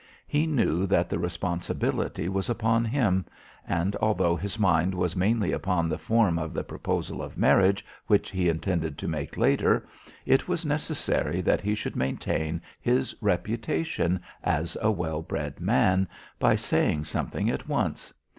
He knew that the responsibility was upon him, and, although his mind was mainly upon the form of the proposal of marriage which he intended to make later, it was necessary that he should maintain his reputation as a well bred man by saying something at once.